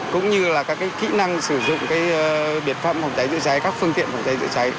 cũng như là các kỹ năng sử dụng biệt phẩm phòng cháy chữa cháy các phương tiện phòng cháy chữa cháy